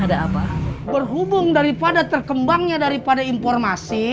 ada apa berhubung daripada terkembangnya daripada informasi